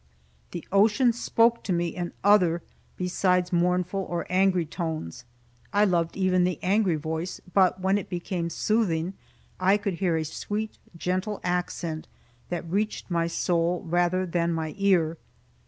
The ocean spoke to me in other besides mournful or angry tones. I loved even the angry voice, but when it became soothing, I could hear a sweet, gentle accent that reached my soul rather than my ear.